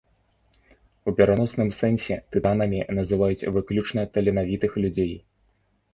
У пераносным сэнсе тытанамі называюць выключна таленавітых людзей.